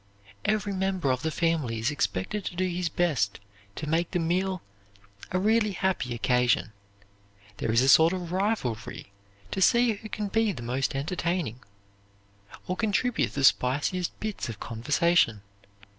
Every member of the family is expected to do his best to make the meal a really happy occasion. There is a sort of rivalry to see who can be the most entertaining, or contribute the spiciest bits of conversation.